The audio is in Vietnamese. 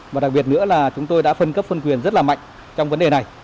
và đặc biệt nữa là chúng tôi đã phân cấp phân quyền rất là mạnh trong vấn đề này